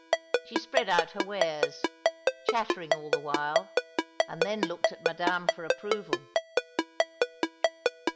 She spread out her wares, chattering aJl the while, and then looked at Madame for approval.